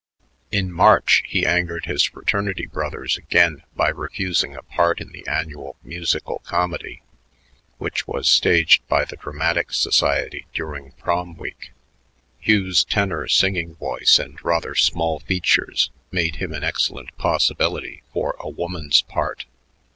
In March he angered his fraternity brothers again by refusing a part in the annual musical comedy, which was staged by the Dramatic Society during Prom week. Hugh's tenor singing voice and rather small features made him an excellent possibility for a woman's part.